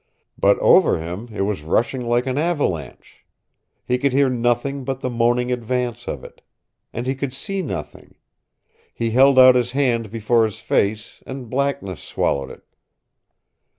But over him it was rushing like an avalanche. He could hear nothing but the moaning advance of it. And he could see nothing. He held out his hand before his face, and blackness swallowed it.